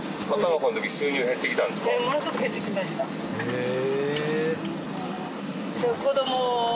へえ！